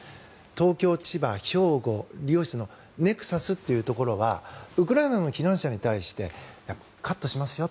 東京、千葉、兵庫理容室のネクサスというところはウクライナの避難者に対してカットしますよ